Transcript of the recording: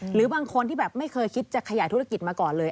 หรือบางคนที่แบบไม่เคยคิดจะขยายธุรกิจมาก่อนเลย